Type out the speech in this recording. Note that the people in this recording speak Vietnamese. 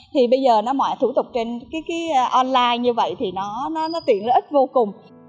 thì bây giờ nó ngoại thủ tục trên cái online như vậy thì nó tiện lợi ích vô cùng